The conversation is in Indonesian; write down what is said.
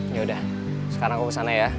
yaudah sekarang aku ke sana ya